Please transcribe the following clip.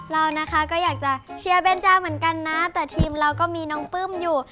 เรานะคะก็อยากจะเชียร์เบนจาเหมือนกันนะแต่ทีมเราก็มีน้องปลื้มอยู่